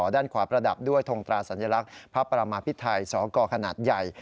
ด้านขวาประดับด้วยทงตราสัญลักษณ์พระประมาพิไทยสกขนาดใหญ่